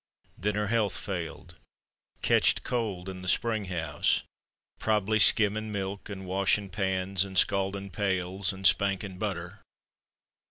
Then her health failed. Ketched cold in the spring house, prob'ly skimmin' milk and washin' pans and scaldin' pails and spankin' butter.